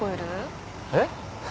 えっ？